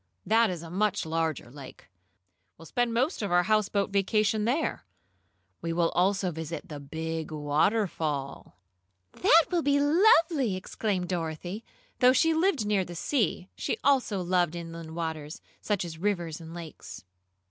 "That is a much larger lake. We'll spend most of our houseboat vacation there. We will also visit the big waterfall." "That will be lovely!" exclaimed Dorothy. Though she lived near the sea, she also loved inland waters, such as rivers and lakes.